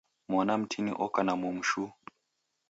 Mwana mtini oka na momu shuu.